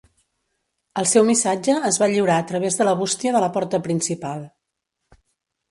El seu missatge es va lliurar a través de la bústia de la porta principal.